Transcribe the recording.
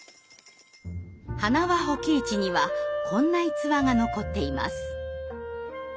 塙保己一にはこんな逸話が残っています。